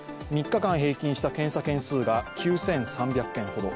３日間平均した検査件数が９３００件ほど。